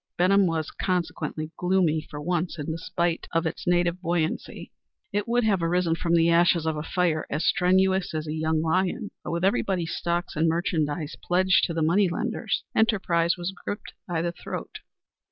Benham was consequently gloomy for once in despite of its native buoyancy. It would have arisen from the ashes of a fire as strenuous as a young lion. But, with everybody's stocks and merchandise pledged to the money lenders, enterprise was gripped by the throat.